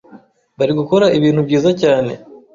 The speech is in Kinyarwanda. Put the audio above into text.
bari gukora ibintu byiza cyane